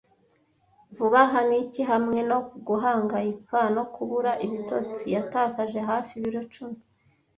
Vuba aha niki hamwe no guhangayika no kubura ibitotsi, yatakaje hafi ibiro icumi.